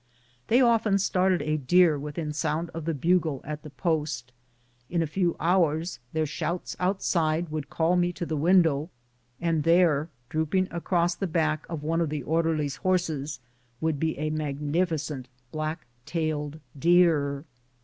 They often started a deer within sound of the bugle at the post. In a few hours their shouts outside would call me to the window, and there, drooping across the back of one of the orderlies' horses, would be a magnificent black tailed deer.